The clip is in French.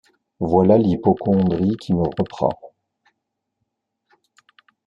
Voilà l’hypocondrie qui me reprend.